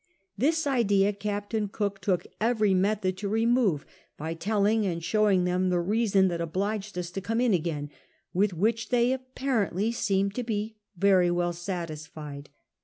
This idea Captain Cook took every method to re move, by telling and showing them the reason that obliged us to come in again, with which they apjiarently seemed to be very well satisfied.